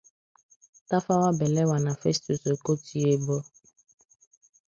Tafawa Balewa na Festus Okotie-Eboh